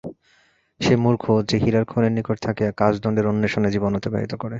সে মূর্খ, যে হীরার খনির নিকট থাকিয়া কাচদণ্ডের অন্বেষণে জীবন অতিবাহিত করে।